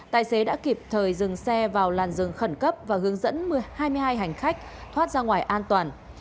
tài xế đã kịp thời dừng xe vào làn rừng khẩn cấp và hướng dẫn hai mươi hai hành khách thoát ra ngoài an toàn